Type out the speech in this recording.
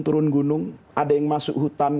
turun gunung ada yang masuk hutan